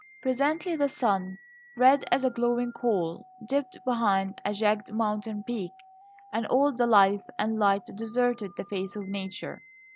Presently the sun, red as a glowing coal, dipped behind a jagged mountain peak, and all the life and light deserted the face of nature.